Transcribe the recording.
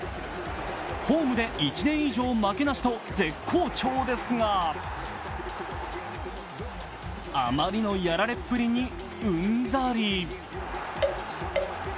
ホームで１年以上負けなしと絶好調ですがあまりのやられっぷりに、うんざり。